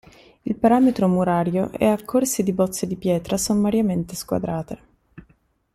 Il paramento murario è a corsi di bozze di pietra sommariamente squadrate.